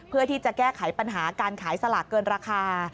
เพื่อที่จะแก้ไขปัญหาการขายสลากเกินราคา